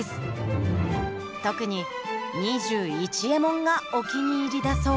特に「２１エモン」がお気に入りだそう。